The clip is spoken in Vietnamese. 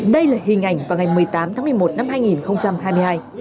đây là hình ảnh vào ngày một mươi tám tháng một mươi một năm hai nghìn hai mươi hai